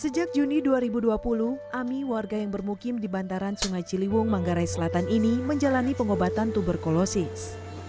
sejak juni dua ribu dua puluh ami warga yang bermukim di bantaran sungai ciliwung manggarai selatan ini menjalani pengobatan tuberkulosis